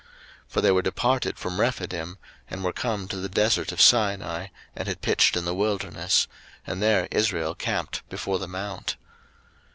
02:019:002 For they were departed from Rephidim, and were come to the desert of Sinai, and had pitched in the wilderness; and there Israel camped before the mount.